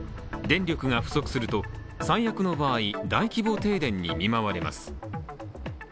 電力が不足すると最悪の場合大規模停電に見舞われます。